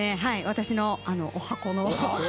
私のおはこの。